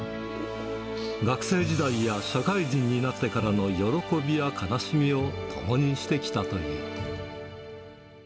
学生時代や社会人になってからの喜びや悲しみを共にしてきたという。